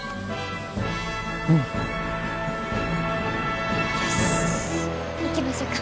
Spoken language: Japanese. うん！よし行きましょか。